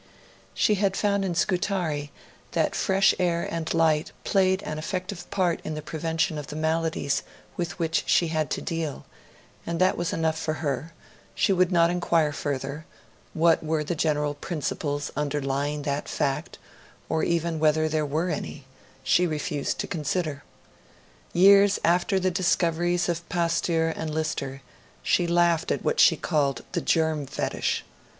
She had found in Scutari that fresh air and light played an effective part in the prevention of the maladies with which she had to deal; and that was enough for her; she would not inquire further; what were the general principles underlying that fact or even whether there were any she refused to consider. Years after the discoveries of Pasteur and Lister, she laughed at what she called the 'germ fetish'.